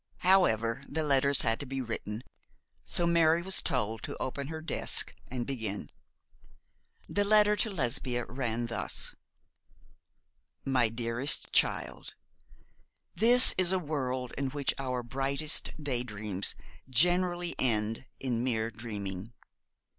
However, the letters had to be written, so Mary was told to open her desk and begin. The letter to Lesbia ran thus: 'My dearest Child, 'This is a world in which our brightest day dreams generally end in mere dreaming.